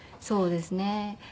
そうですね。